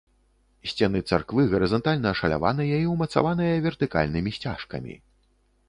Сцены царквы гарызантальна ашаляваныя і ўмацаваныя вертыкальнымі сцяжкамі.